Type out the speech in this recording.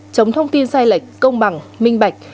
chống thông tin sai lệch công bằng minh bạch